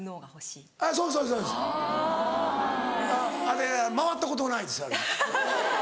あれ回ったことないですあれ。